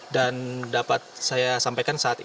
dan dapat saya sampaikan saat ini